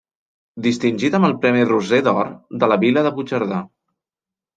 Distingit amb el premi Roser d'Or de la Vila de Puigcerdà.